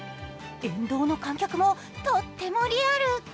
沿道の観客もとってもリアル。